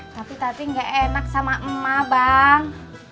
tapi tadi gak enak sama emak bang